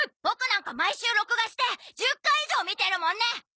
ボクなんか毎週録画して１０回以上見てるもんね！